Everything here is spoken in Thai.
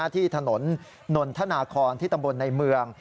ที่ถนนนนทนาคอนที่ตำบลในเมือง